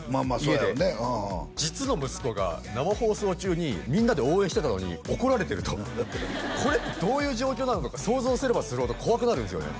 うんうん実の息子が生放送中にみんなで応援してたのに怒られてるとこれってどういう状況なのか想像すればするほど怖くなるんですよね